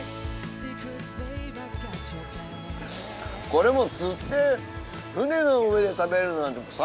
これもう釣って船の上で食べるなんて最高ですね。